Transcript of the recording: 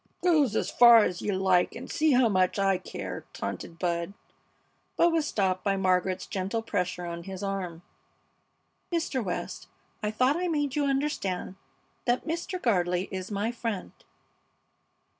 "Go 's far 's you like and see how much I care!" taunted Bud, but was stopped by Margaret's gentle pressure on his arm. "Mr. West, I thought I made you understand that Mr. Gardley is my friend."